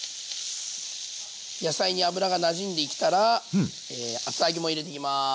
野菜に脂がなじんできたら厚揚げも入れていきます。